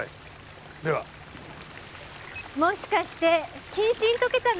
もしかして謹慎解けたの？